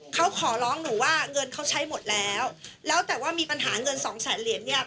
เขาขอร้องหนูว่าเงินเขาใช้หมดแล้วแล้วแต่ว่ามีปัญหาเงินสองแสนเหรียญเนี่ย